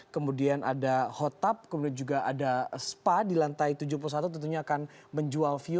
kemudian ada hot up kemudian juga ada spa di lantai tujuh puluh satu tentunya akan menjual view